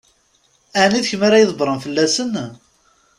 Ɛni d kemm ara ydebbṛen fell-asen?